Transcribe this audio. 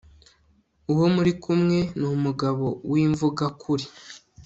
uwo muri kumwe ni umugabo w'imvugakuri